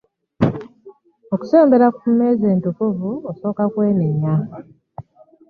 Okusembera ku mmeeza entukuvu osooka kwenenya.